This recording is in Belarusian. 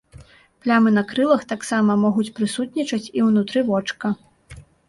Плямы на крылах таксама могуць прысутнічаць і ўнутры вочка.